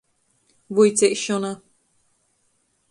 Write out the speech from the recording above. Vuiceišona.